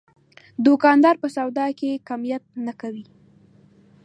دوکاندار په سودا کې کمیت نه کوي.